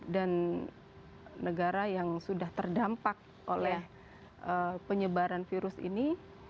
dan negara yang sudah terdampak oleh penyebaran virus ini